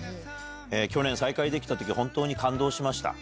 去年、再会できたとき、本当に感動しました。